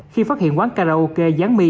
khi phát hiện quán karaoke gián my